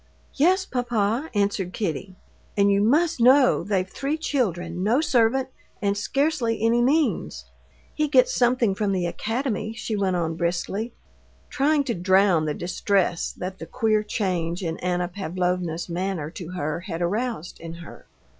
"Yes, papa," answered Kitty. "And you must know they've three children, no servant, and scarcely any means. He gets something from the Academy," she went on briskly, trying to drown the distress that the queer change in Anna Pavlovna's manner to her had aroused in her.